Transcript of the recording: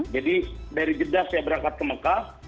dari jeddah saya berangkat ke mekah